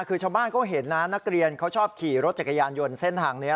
คือชาวบ้านเขาเห็นนะนักเรียนเขาชอบขี่รถจักรยานยนต์เส้นทางนี้